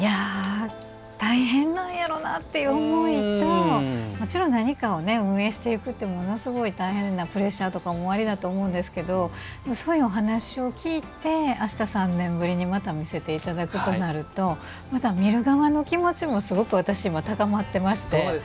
大変なんやろうなって思いともちろん何かを運営していくってものすごいプレッシャーとかもおありだと思うんですがそういうお話を聞いてあした３年ぶりにまた見せていただくとなるとまた見る側の気持ちもすごく私、今、高まっていまして。